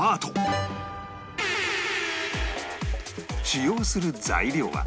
使用する材料は